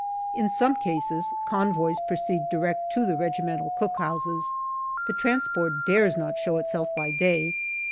In some cases convoys proceed direct to the regimental cook houses. The transport dares not show itself by day.